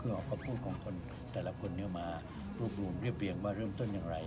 แล้วก็พูดของคนแต่ละคนเนี่ยมารูปรูมเรียบเบียงว่าเริ่มต้นอย่างไร